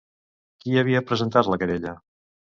Qui havia presentat la querella?